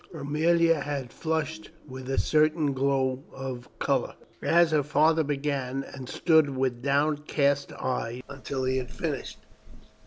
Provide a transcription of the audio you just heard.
Aemilia had flushed with a sudden glow of colour as her father began, and stood with downcast eyes until he had finished.